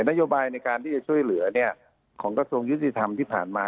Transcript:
นโยบายในการที่จะช่วยเหลือของกระทรวงยุติธรรมที่ผ่านมา